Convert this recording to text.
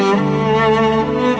saatmu menerima september dua ribu